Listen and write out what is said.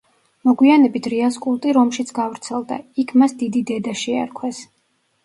მოგვიანებით რეას კულტი რომშიც გავრცელდა, იქ მას დიდი დედა შეარქვეს.